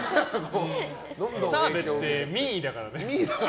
澤部って民意だからね。